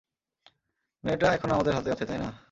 মেয়েটা এখনো আমাদের হাতেই আছে, তাই-না?